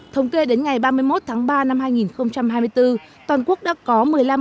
thống kê đến ngày ba mươi một tháng ba năm hai nghìn hai mươi bốn toàn quốc đã có một mươi năm chín trăm hai mươi năm